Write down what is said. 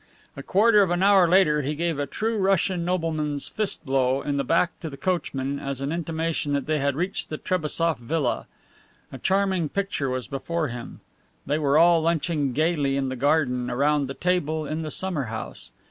A quarter of an hour later he gave a true Russian nobleman's fist blow in the back to the coachman as an intimation that they had reached the Trebassof villa. A charming picture was before him. They were all lunching gayly in the garden, around the table in the summer house.